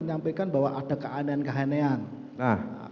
menyampaikan bahwa ada keanehan keanehan